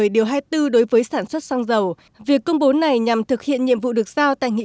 điều hai mươi bốn đối với sản xuất xăng dầu việc công bố này nhằm thực hiện nhiệm vụ được giao tại nghị